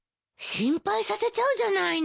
心配させちゃうじゃないの。